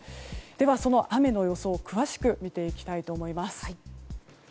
では、雨の予想を詳しく見ていきたいと思います。